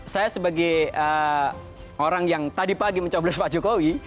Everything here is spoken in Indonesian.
saya sebagai orang yang tadi pagi mencoblos pak jokowi